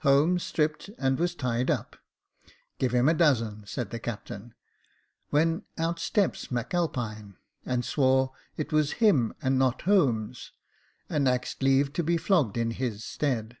Holmes stripped and was tied up. * Give him a dozen,' said the captain ; when out steps M' Alpine, and swore it was him, and not Holmes ; and axed leave to be flogged in his stead.